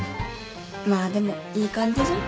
まあでもいい感じじゃん。